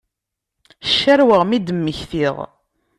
Ccarweɣ mi d-mmektiɣ.